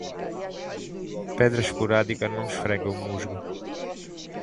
Pedra esporádica não esfrega o musgo.